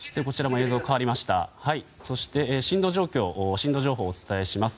震度情報をお伝えします。